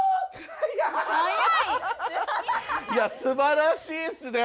すばらしいっすね。